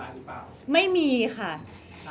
จะยังไงเขาได้มีเสียงทำทุลายรึเปล่า